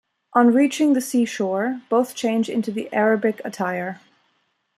On reaching the sea shore, both change into the Arabic attire.